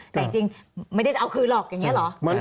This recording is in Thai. แต่จริงไม่ได้จะเอาคืนหรอกอย่างนี้เหรอ